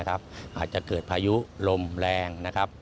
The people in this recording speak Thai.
อาจจะเกิดพายุลมแรง